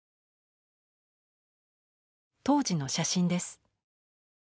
当時の写真です。